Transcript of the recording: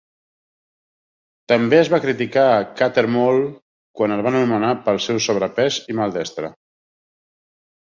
També es va criticar a Cattermole quan el van anomenar pel seu sobrepès i "maldestre".